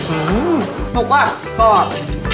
อือชุกเกราะแน็ต